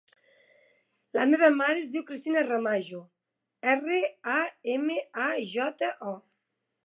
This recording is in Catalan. La meva mare es diu Cristina Ramajo: erra, a, ema, a, jota, o.